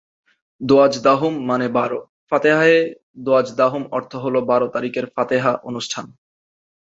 দোয়াজদাহুম মানে বারো, ফাতেহায়ে দোয়াজদাহুম অর্থ হলো বারো তারিখের ফাতেহা অনুষ্ঠান।